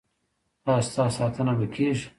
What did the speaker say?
ایا ستاسو ساتنه به کیږي؟